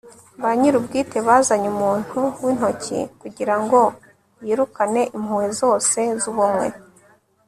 ba nyirubwite bazanye umuntu wintoki kugirango yirukane impuhwe zose zubumwe